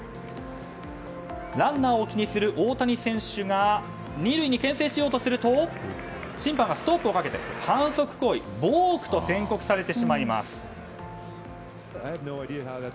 ランナーを気にする大谷選手が２塁に牽制しようとすると審判がストップをかけて反則行為、ボークと宣告されてしまいます。